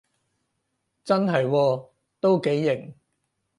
真係喎，都幾型